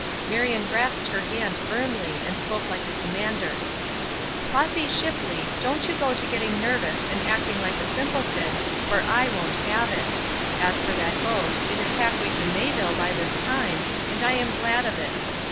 Marion grasped her hand firmly, and spoke like a commander: "Flossy Shipley, don't you go to getting nervous and acting like a simpleton, for I won't have it. As for that boat, it is half way to Mayville by this time, and I am glad of it.